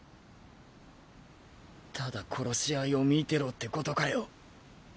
ただ殺し合いを見てろってことかよ。